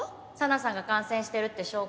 紗奈さんが感染してるって証拠。